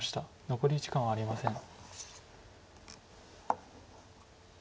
残り時間はありません。